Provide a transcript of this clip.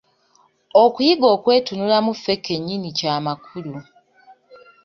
Okuyiga okwetunulamu ffe ke nnyini kya makulu.